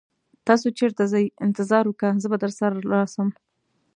تاسو چیرته ځئ؟ انتظار وکړه، زه به درسره راشم.